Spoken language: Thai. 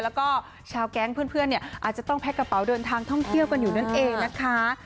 แล้วก็ชาวแก๊งเพื่อนเนี่ยอาจจะต้องแพ็กกระเป๋าเดินทางท่องเที่ยวกันอยู่นั่นเองนะคะ